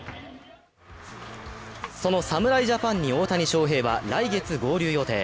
その侍ジャパンに大谷翔平は来月合流予定。